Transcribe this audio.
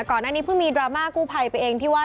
ก่อนหน้านี้เพิ่งมีดราม่ากู้ภัยไปเองที่ว่า